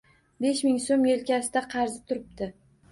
Besh ming so‘m yelkasida qarzi turibdi.